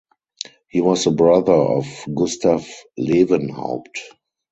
He was the brother of Gustaf Lewenhaupt.